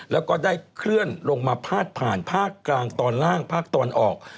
แล้วก็ได้เคลื่อนลงมาพาดผ่านภาคกลางตอนล่างภาคตะวันออก